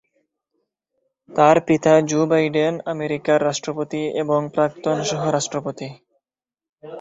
তার পিতা Joe Biden আমেরিকার রাষ্ট্রপতি এবং প্রাক্তন সহ-রাষ্ট্রপতি।